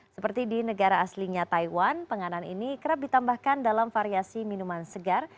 seperti di negara aslinya taiwan penganan ini kerap ditambahkan dalam variasi minuman segar